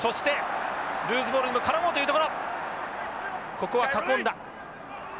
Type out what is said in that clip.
ここは囲んだ。